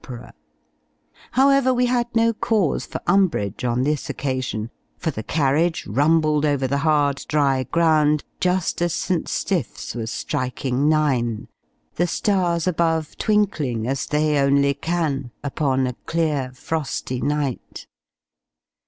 However, we had no cause for umbrage on this occasion; for the carriage rumbled over the hard, dry, ground, just as St. Stiff's was striking nine the stars above, twinkling, as they only can, upon a clear, frosty night.